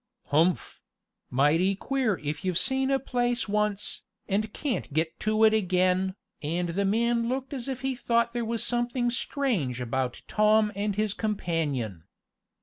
"Humph! Mighty queer if you've seen a place once, and can't get to it again," and the man looked as if he thought there was something strange about Tom and his companion.